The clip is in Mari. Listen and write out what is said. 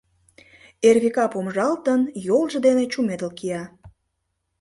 Эрвика помыжалтын, Йолжо дене чумедыл кия.